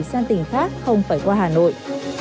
sang tỉnh khác không phải qua hà nội